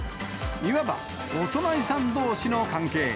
いわば、お隣さんどうしの関係。